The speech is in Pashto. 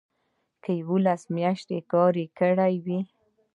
که یوولس میاشتې کار یې کړی وي.